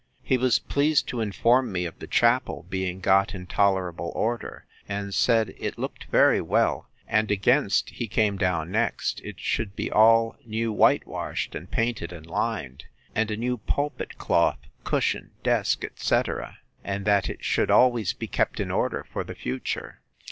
He was pleased to inform me of the chapel being got in tolerable order; and said, it looked very well; and against he came down next, it should be all new white washed, and painted and lined; and a new pulpit cloth, cushion, desk, etc. and that it should always be kept in order for the future.